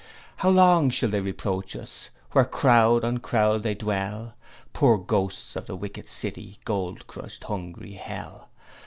'How long shall they reproach us, where crowd on crowd they dwell Poor ghosts of the wicked city, gold crushed, hungry hell?